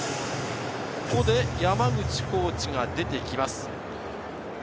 ここで山口コーチが出てきます。